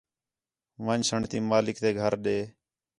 ون٘ڄسݨ تی مالک تے گھر ݙے